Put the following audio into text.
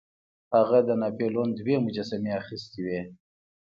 هغه د ناپلیون دوه مجسمې اخیستې وې.